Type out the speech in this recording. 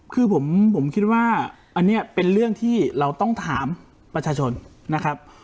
คือผมคิดว่าอันนี้เป็นเรื่องที่เราต้องถามประชาชนนะครับ